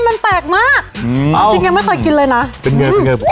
มันแปลกมากอืมเอาจริงยังไม่เคยกินเลยนะเป็นไงเป็นไง